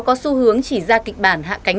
có xu hướng chỉ ra kịch bản hạ cánh